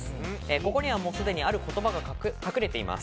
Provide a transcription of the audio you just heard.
ここにはすでにある言葉が隠れています。